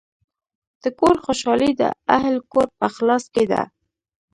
د کور خوشحالي د اهلِ کور په اخلاص کې ده.